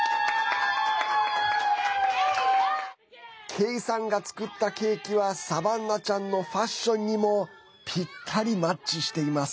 ケイさんが作ったケーキはサバンナちゃんのファッションにもぴったりマッチしています。